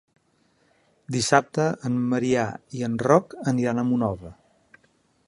Dissabte en Maria i en Roc aniran a Monòver.